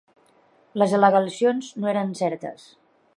Les al·legacions no eren certes.